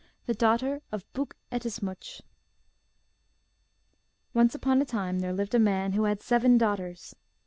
The Daughter Of Buk Ettemsuch Once upon a time there lived a man who had seven daughters.